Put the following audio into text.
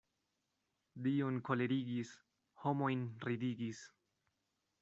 Dion kolerigis, homojn ridigis.